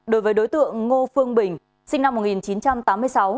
đối với đối tượng ngô phương bình sinh năm một nghìn chín trăm tám mươi sáu